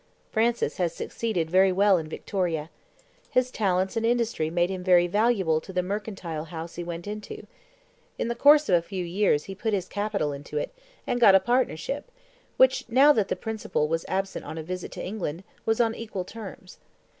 Francis has succeeded very well in Victoria. His talents and industry made him very valuable to the mercantile house he went into. In the course of a few years he put his capital into it, and got a partnership, which, now that the principal was absent on a visit to England, was on equal terms.